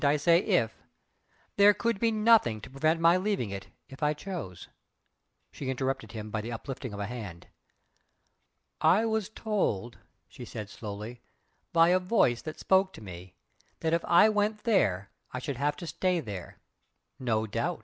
I say 'if' there could be nothing to prevent my leaving it if I chose " She interrupted him by the uplifting of a hand. "I was told" she said slowly "by a Voice that spoke to me that if I went there I should have to stay there!" "No doubt!"